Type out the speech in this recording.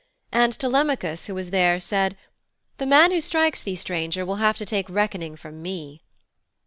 And Telemachus, who was there, said, 'The man who strikes thee, stranger, will have to take reckoning from me.'